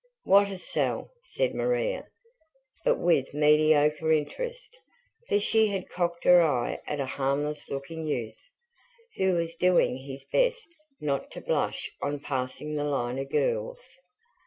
"What a sell!" said Maria, but with mediocre interest; for she had cocked her eye at a harmless looking youth, who was doing his best not to blush on passing the line of girls.